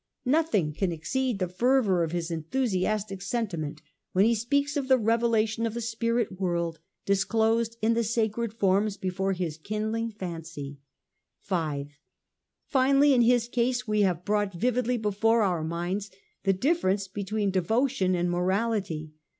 Nothing can exceed the fervour of his en thusiastic sentiment when he speaks of the revelation of the spirit world disclosed in the sacred forms before his kindling fancy. 5®. Finally, in his case we have brought vividly before our minds the difference between devotion and morality.